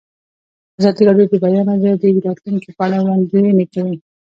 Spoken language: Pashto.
ازادي راډیو د د بیان آزادي د راتلونکې په اړه وړاندوینې کړې.